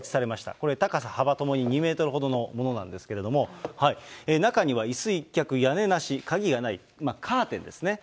これ、高さ幅ともに２メートルほどのものなんですけれども、中にはいす１脚、屋根なし、鍵がない、カーテンですね。